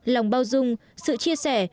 lòng bao dung sự chia sẻ